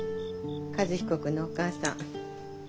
和彦君のお母さん。